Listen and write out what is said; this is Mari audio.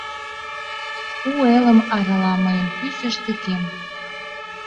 У элым арала мыйын пӱсӧ штыкем!